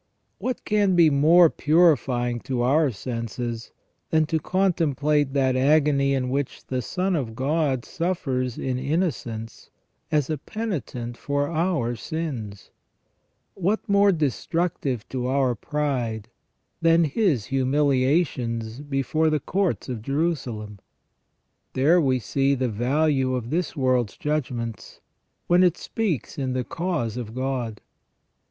What THE REGENERATION OF MAN. 363 can be more purifying to our senses than to contemplate that agony in which the Son of God suffers in innocence as a penitent for our sins ? What more destructive to our pride than His humiliations before the courts of Jerusalem ? There we see the value of this world's judgments, when it speaks in the cause of God.